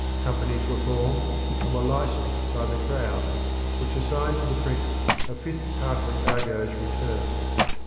Companies were formed and were licensed by the Crown, which assigned to the Prince a fifth part of the cargoes returned.